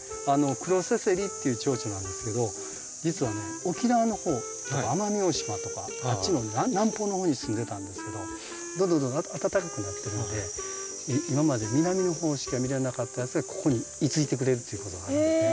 クロセセリっていうチョウチョなんですけど実はね沖縄の方奄美大島とかあっちの南方の方に住んでたんですけどどんどんどんどん暖かくなってるので今まで南の方しか見れなかったやつがここに居ついてくれるっていうことがあるんですね。